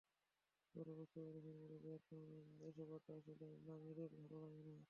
পরে বুঝতে পেরেছেন, বড়দের এসব আড্ডা আসলে নামিরের ভালো লাগে না।